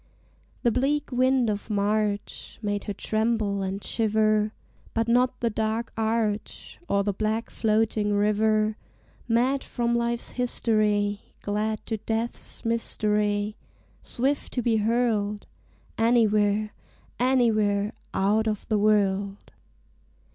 The bleak wind of March Made her tremble and shiver; But not the dark arch, Or the black floating river; Mad from life's history, Glad to death's mystery, Swift to be hurled Anywhere, anywhere Out of the world!